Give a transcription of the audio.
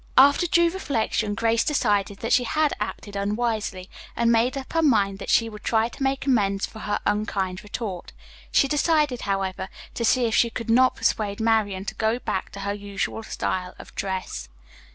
After due reflection Grace decided that she had acted unwisely, and made up her mind that she would try to make amends for her unkind retort. She decided, however, to see if she could not persuade Marian to go back to her usual style of dress.